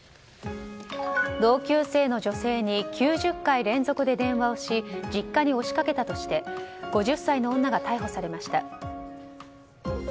同級生の女性に９０回連続で電話をし実家に押し掛けたとして５０歳の女が逮捕されました。